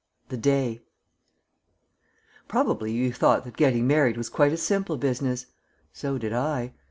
THE DAY Probably you thought that getting married was quite a simple business. So did I.